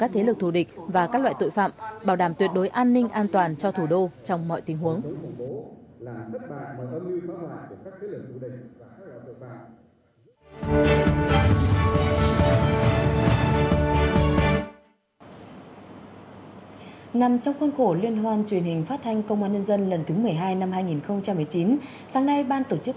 thì đây là thời điểm căng thẳng nhất